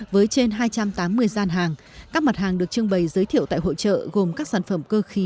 với trên hai trăm tám mươi gian hàng các mặt hàng được trưng bày giới thiệu tại hội trợ gồm các sản phẩm cơ khí